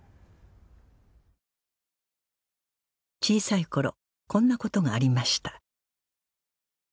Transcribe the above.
小さい頃こんなことがありました